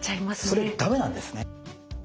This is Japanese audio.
それダメなんですね。